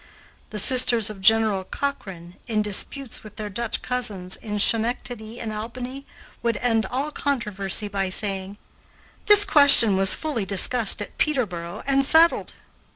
The sisters of General Cochrane, in disputes with their Dutch cousins in Schenectady and Albany, would end all controversy by saying, "This question was fully discussed at Peterboro, and settled."